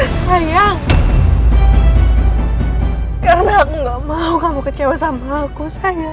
sayang karena aku gak mau kamu kecewa sama aku sayang